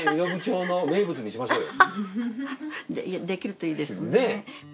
できるといいですね。